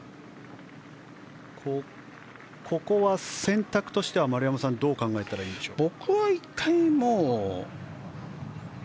ここは選択としてはどう考えたらいいでしょうか。